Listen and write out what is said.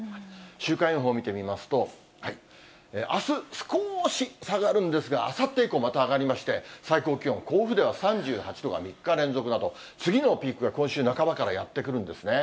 週間予報を見てみますと、あす、すこーし下がるんですが、あさって以降、また上がりまして、最高気温、甲府では３８度が３日連続など、次のピークが今週半ばからやって来るんですね。